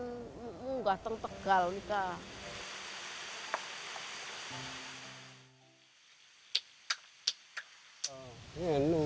gateng tegal nikah